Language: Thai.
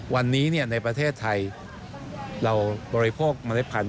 วันนี้ในประเทศไทยเราบริโภคเมล็ดพันธ